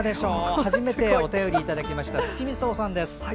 初めてお便りいただきました月見草さんです。